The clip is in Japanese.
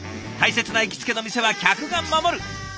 大切な行きつけの店は客が守る。